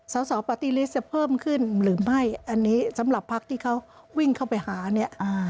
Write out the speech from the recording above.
สสปาร์ตี้ลิสต์จะเพิ่มขึ้นหรือไม่อันนี้สำหรับพักที่เขาวิ่งเข้าไปหาเนี่ย